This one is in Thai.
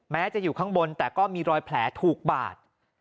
แม้จะอยู่ข้างบนแต่ก็มีรอยแผลถูกบาด